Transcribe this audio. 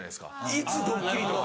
いつドッキリとか。